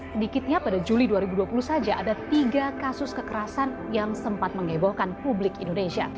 sedikitnya pada juli dua ribu dua puluh saja ada tiga kasus kekerasan yang sempat mengebohkan publik indonesia